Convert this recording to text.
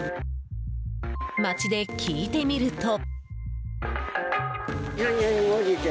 街で聞いてみると。